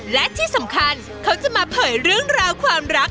และที่สำคัญเขาจะมาเผยเรื่องราวความรัก